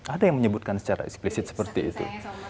ada yang menyebutkan secara eksplisit seperti itu